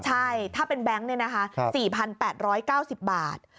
ใช่ถ้าเป็นแบงค์เนี่ยนะคะ๔๘๙๐บาท